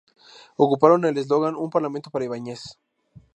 Ocuparon el eslogan "Un parlamento para Ibáñez".